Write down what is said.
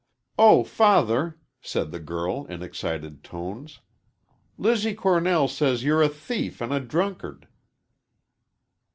"Oh, father!" said the girl, in excited tones; "Lizzie Cornell says you're a thief an' a drunkard."